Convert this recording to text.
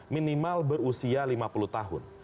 minimal berusia lima puluh tahun